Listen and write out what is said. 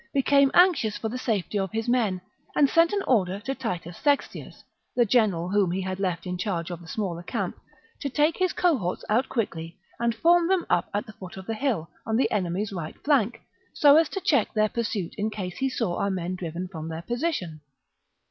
became anxious for the safety of his men, and sent an order to Titus Sextius, the general whom he had left in charge of the smaller camp, to take his cohorts out quickly and form them up at the foot of the hill, on the enemy's right flank, so as to check their pursuit in case he saw our men driven from their position.